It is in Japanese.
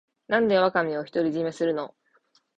なんでワカメを独り占めするの